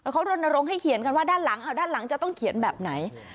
เขารณรงค์ให้เขียนกันว่าด้านหลังด้านหลังจะต้องเขียนแบบไหน